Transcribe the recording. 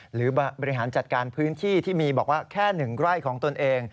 หรือบริหารจัดการพื้นที่ที่มีบอกว่าแค่๑ไร่ของตนเอง